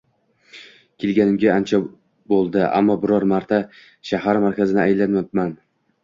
Kelganimga ancha bo`ldi, ammo biror marta shahar markazini aylanmabman